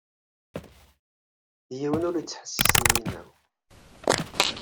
Yiwen ur ittḥessis i yinaw.